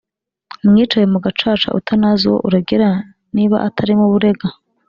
Mwicaye mu gacaca Utanazi uwo uregera Niba atari mubo urega !